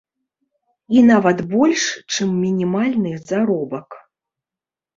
І нават больш, чым мінімальны заробак.